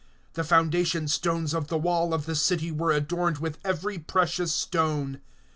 (19)The foundation stones of the wall of the city were adorned with every precious stone.